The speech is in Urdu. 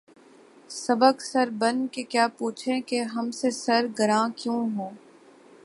سبک سر بن کے کیا پوچھیں کہ ’’ ہم سے سر گراں کیوں ہو؟‘‘